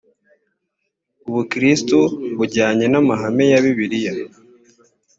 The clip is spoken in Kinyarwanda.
ubukirisito bujyanye n’amahame ya biblia